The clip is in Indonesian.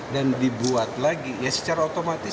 dan dibuat lagi ya secara otomatis